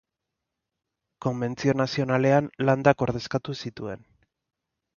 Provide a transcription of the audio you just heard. Konbentzio Nazionalean Landak ordezkatu zituen.